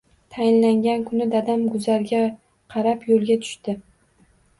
Tayinlangan kuni dadam guzarga qarab yoʻlga tushdi.